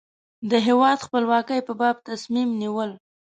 د هېواد خپلواکۍ په باب تصمیم نیول.